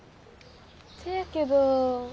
せやけど。